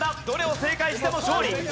どれを正解しても勝利。